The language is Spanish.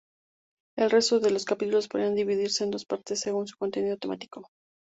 El resto de los capítulos podrían dividirse en dos partes según su contenido temático.